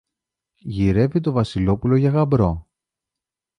Γυρεύει το Βασιλόπουλο για γαμπρό.